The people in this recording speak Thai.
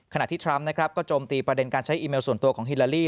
ที่ทรัมป์นะครับก็โจมตีประเด็นการใช้อีเมลส่วนตัวของฮิลาลี